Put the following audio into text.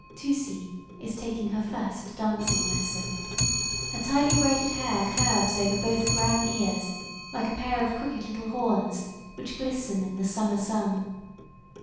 Tusee is taking her first dancing lesson. Her tightly braided hair curves over both brown ears like a pair of crooked little horns which glisten in the summer sun.